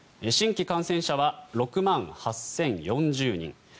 新規感染者は６万８０４０人。